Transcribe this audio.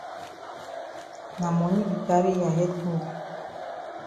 Na moni be carry ya head go.